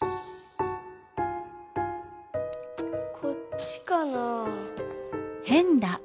こっちかなあ？